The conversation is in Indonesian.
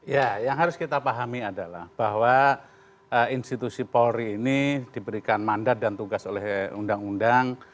ya yang harus kita pahami adalah bahwa institusi polri ini diberikan mandat dan tugas oleh undang undang